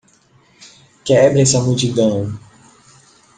Quebre essa multidão!